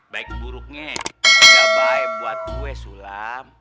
baik buruknya gak baik buat gue sulam